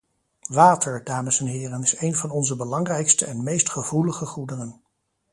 Water, dames en heren, is een van onze belangrijkste en meest gevoelige goederen.